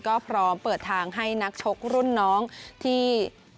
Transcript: ก็พร้อมเปิดทางให้นักชกรุ่นน้องที่